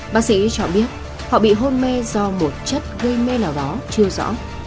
bác sĩ cho biết họ bị hôn mê do một chất gây mê nào đó chưa rõ